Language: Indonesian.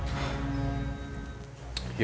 tante tante kenapa